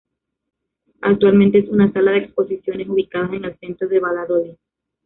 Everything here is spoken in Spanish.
Actualmente es una sala de exposiciones ubicada en el centro de Valladolid.